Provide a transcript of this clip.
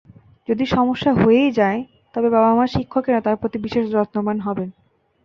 যদি সমস্যা হয়েই যায়, তবে বাবা-মা শিক্ষকেরা তার প্রতি বিশেষ যত্নবান হবেন।